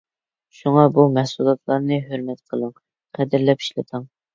شۇڭا بۇ مەھسۇلاتلارنى ھۆرمەت قىلىڭ، قەدىرلەپ ئىشلىتىڭ!